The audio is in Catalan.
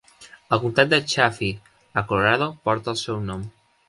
El comtat de Chaffee, a Colorado, porta el seu nom.